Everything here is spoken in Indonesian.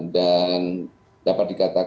dan dapat dikatakan